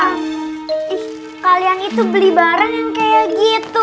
ih kalian itu beli barang yang kayak gitu